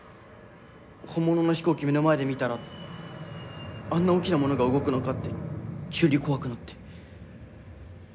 本物の飛行機目の前で見たらあんな大きなものが動くのかって急に怖くなって。